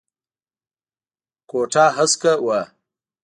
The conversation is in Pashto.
کوټه هسکه وه.